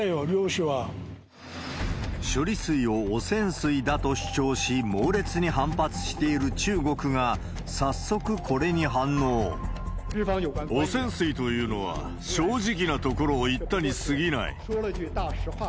処理水を汚染水だと主張し、猛烈に反発している中国が、汚染水というのは、正直なところを言ったに過ぎない。